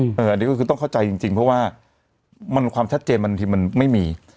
อันนี้ก็คือต้องเข้าใจจริงเพราะว่าความชัดเจนบางทีมันไม่มี